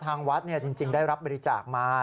ทางวัดจริงได้รับบริจาคมา